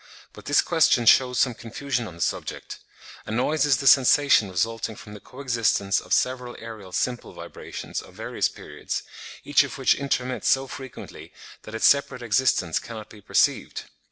But this question shews some confusion on the subject; a noise is the sensation resulting from the co existence of several aerial "simple vibrations" of various periods, each of which intermits so frequently that its separate existence cannot be perceived.